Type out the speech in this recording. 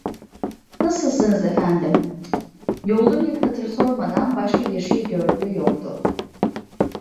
Nasılsınız efendim? yollu bir hatır sormadan başka bir şey gördüğü yoktu.